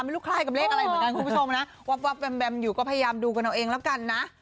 ไม่รู้คล้ายกับเลขอะไรเหมือนกันคุณผู้ชมนะวับแบมอยู่ก็พยายามดูกันเอาเองแล้วกันนะ